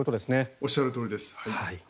おっしゃるとおりです。